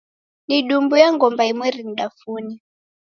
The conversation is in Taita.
Nidumbue ngomba imweri nidafune.